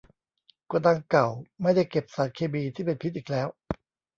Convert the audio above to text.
โกดังเก่าไม่ได้เก็บสารเคมีที่เป็นพิษอีกแล้ว